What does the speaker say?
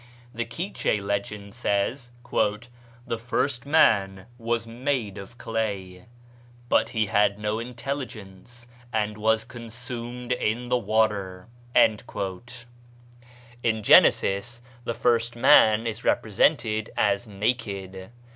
The Quiche legend says. "The first man was made of clay; but he had no intelligence, and was consumed in the water." In Genesis the first man is represented as naked.